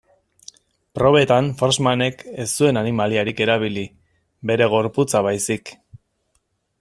Probetan, Forssmanek ez zuen animaliarik erabili, bere gorputza baizik.